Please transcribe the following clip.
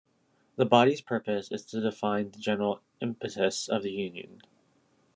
The body's purpose is to define the general "impetus" of the Union.